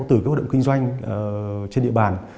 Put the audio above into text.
từ các hoạt động kinh doanh trên địa bàn